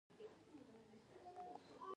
دوی سیاست د شخصي امتیازاتو پروژه ګڼي.